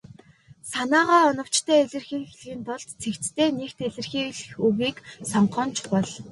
Санаагаа оновчтой илэрхийлэхийн тулд цэгцтэй, нягт илэрхийлэх үгийг сонгох нь чухал.